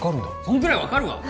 そのくらい分かるわ！